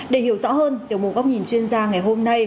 để hiểu rõ hơn tiểu mục góc nhìn chuyên gia ngày hôm nay